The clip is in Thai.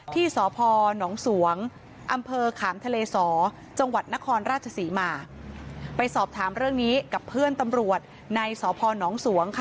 ที่สพนสวงอำเภอขามทะเลสอจังหวัดนครราชศรีมาไปสอบถามเรื่องนี้กับเพื่อนตำรวจในสพนสวงค่ะ